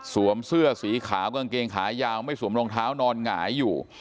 เสื้อสีขาวกางเกงขายาวไม่สวมรองเท้านอนหงายอยู่